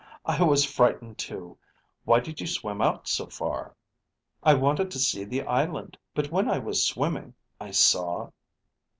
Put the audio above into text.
"I was frightened too. Why did you swim out so far?" "I wanted to see the island. But when I was swimming, I saw...."